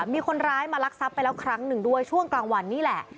มีคนร้ายมาลักทรัพย์ไปแล้วครั้งหนึ่งด้วยช่วงกลางวันนี่แหละ